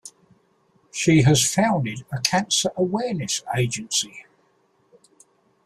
She has founded a cancer awareness agency.